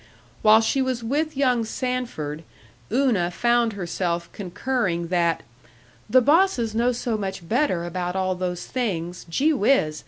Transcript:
While she was with young Sanford, Una found herself concurring that "the bosses know so much better about all those things gee whiz!